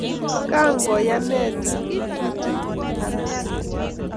Kangonayet tab ng'atutik kot kararan